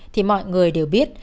thì mọi người đều biết